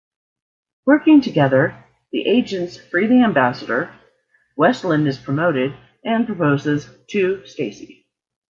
Working together, the agents free the ambassador; Westland is promoted and proposes to Stacy.